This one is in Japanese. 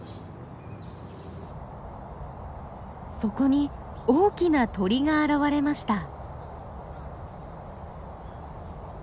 そこに大きな鳥が現れました。